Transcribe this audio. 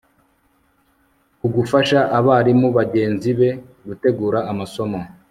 ku gufasha abarimu bagenzi be gutegura amasomo